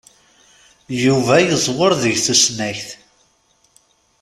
Yuba yeẓwwer deg tusnak.